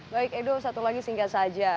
baik edo satu lagi singkat saja